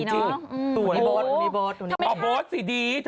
ถามไปดีเนอะ